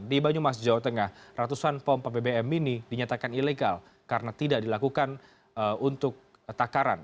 di banyumas jawa tengah ratusan pompa bbm mini dinyatakan ilegal karena tidak dilakukan untuk takaran